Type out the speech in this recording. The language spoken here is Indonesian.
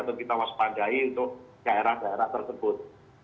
untuk kita waspadai untuk daerah daerah tersebut